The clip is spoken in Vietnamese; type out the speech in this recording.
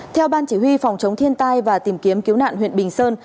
theo ban chỉ huy phòng chống thiên tai và tìm kiếm cứu nạn huyện bình sơn